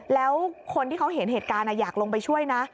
แล้วคนที่เขาเห็นเหตุการณ์อยากลงไปช่วยนะ